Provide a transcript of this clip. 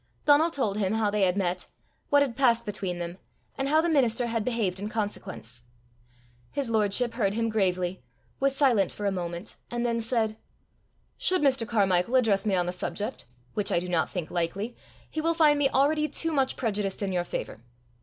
Donal told him how they had met, what had passed between them, and how the minister had behaved in consequence. His lordship heard him gravely, was silent for a moment, and then said, "Should Mr. Carmichael address me on the subject, which I do not think likely, he will find me already too much prejudiced in your favour.